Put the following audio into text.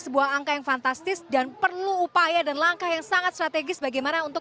sebuah angka yang fantastis dan perlu upaya dan langkah yang sangat strategis bagaimana untuk